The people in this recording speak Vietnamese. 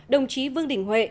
đồng chí vương đình huệ